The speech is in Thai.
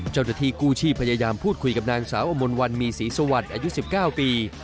เจ้าทธิกูชีพยายามพูดคุยกับนางสาวอมรวรมีศรีสวรรค์อายุ๑๙ปี